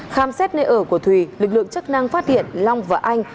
khám xét nơi ở của thùy lực lượng chức năng phát hiện long và anh